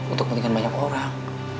untuk pentingkan banyak orang